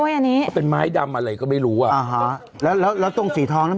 ด้วยอันนี้เป็นไม้ดำอะไรก็ไม่รู้อ่าฮะแล้วแล้วแล้วตรงสีทองน่ะ